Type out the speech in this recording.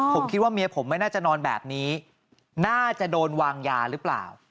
ผมคิดว่าเมียผมไม่น่าจะนอนแบบนี้น่าจะโดนวางยาหรือเปล่า